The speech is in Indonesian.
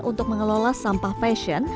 untuk mengelola sampah fashion